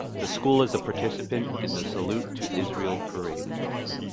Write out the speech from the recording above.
The school is a participant in the Salute to Israel Parade.